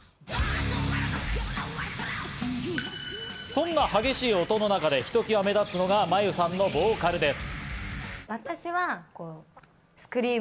そんな激しい音の中でひときわ目立つのがｍａｙｕさんのボーカルです。